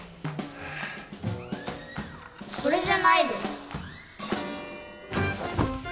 これじゃないです。